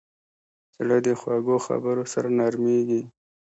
زړه د خوږو خبرو سره نرمېږي.